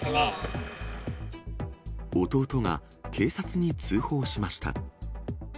弟が警察に通報しました。